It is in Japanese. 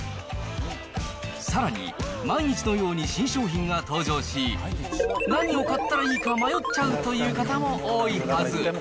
さらに、毎日のように新商品が登場し、何を買ったらいいか迷っちゃうという方も多いはず。